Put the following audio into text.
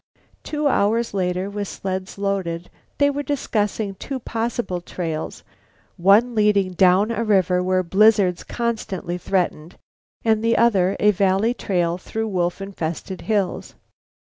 Two hours later, with sleds loaded, they were discussing two possible trails, one leading down a river where blizzards constantly threatened, the other a valley trail through wolf infested hills.